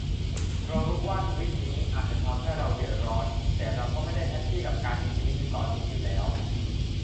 เรารู้ว่าการทวิตนี้อาจจะทำให้เราเดือดร้อน แต่เราก็ไม่ได้แฮปปี้กับการมีชีวิตอยู่ตอนนี้อยู่แล้ว